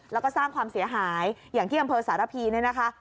แล้วก็สร้างความเสียหายอย่างที่อำเภอสารพีเนี่ยนะคะ